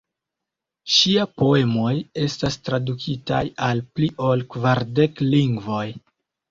Ŝia poemoj estas tradukitaj al pli ol kvardek lingvoj.